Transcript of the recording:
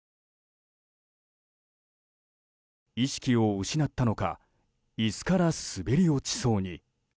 意識を失ったのか椅子から滑り落ちそうに。